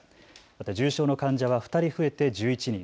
また重症の患者は２人増えて１１人。